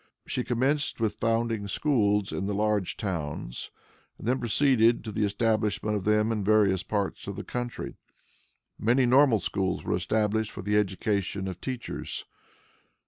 She commenced with founding schools in the large towns; and then proceeded to the establishment of them in various parts of the country. Many normal schools were established for the education of teachers.